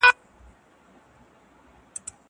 زه پرون چپنه پاکوم.